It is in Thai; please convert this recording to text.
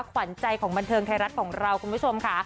ขวัญใจของบันเทิงไทยรัฐของเราคุณผู้ชมค่ะ